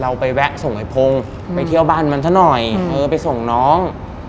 เราไปแวะส่งไอ้พงศ์ไปเที่ยวบ้านมันซะหน่อยเออไปส่งน้อง